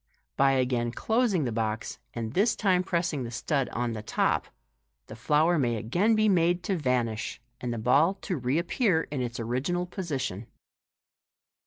By again closing the box, and this time pressing the stud on the top, the flower may again be made to vanish, and the ball to reappear in its original position.